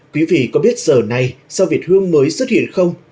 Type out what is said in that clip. quý vị có biết giờ này sao việt hương mới xuất hiện không